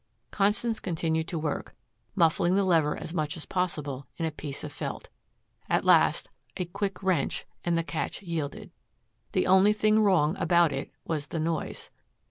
Constance continued to work, muffling the lever as much as possible in a piece of felt. At last a quick wrench and the catch yielded. The only thing wrong about it was the noise.